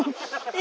え？